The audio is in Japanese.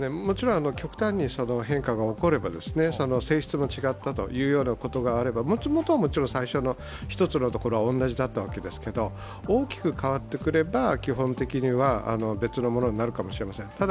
もちろん極端に変化が起これば性質も違ったということがあればもともとはもちろん、最初の１つのところは同じだったわけですけれども、大きく変わってくれば基本的には、別のものになるかもしれません。